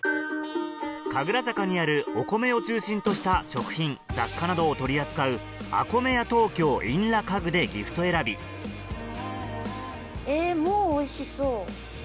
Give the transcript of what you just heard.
神楽坂にあるお米を中心とした食品雑貨などを取り扱うＡＫＯＭＥＹＡＴＯＫＹＯｉｎｌａｋａｇでギフト選びえもうおいしそう。